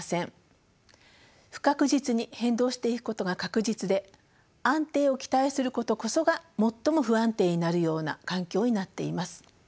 不確実に変動していくことが確実で安定を期待することこそが最も不安定になるような環境になっています。